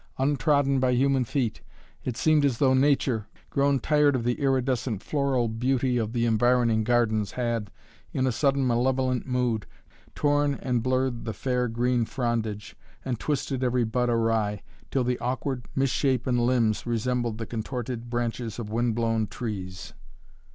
Untrodden by human feet, it seemed as though nature, grown tired of the iridescent floral beauty of the environing gardens, had, in a sudden malevolent mood, torn and blurred the fair green frondage and twisted every bud awry, till the awkward, misshapen limbs resembled the contorted branches of wind blown trees.